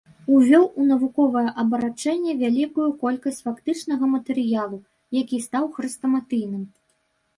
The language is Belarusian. Увёў у навуковае абарачэнне вялікую колькасць фактычнага матэрыялу, які стаў хрэстаматыйным.